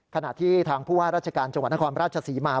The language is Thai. ขณะที่ทางผู้ว่าราชการจังหวัดนครราชศรีมา